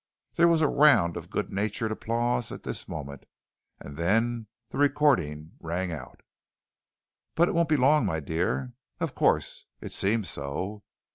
There was a round of good natured applause at this moment. And then the recording rang out: "... but it won't be long, my dear ... of course, it seems so....